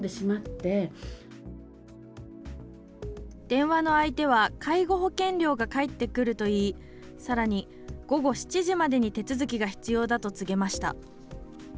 電話の相手は介護保険料が返ってくると言い、さらに午後７時までに手続きが必要だと告げました。